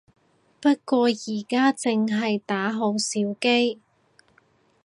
不過而家淨係打好少機